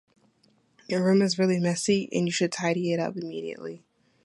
Your room is really messy, you should tidy it immediately.